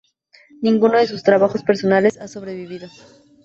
Ninguno de sus trabajos personales ha sobrevivido.